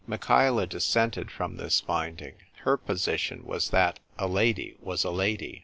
Michaela dissented from this finding : her posi tion was that " a lady was a lady."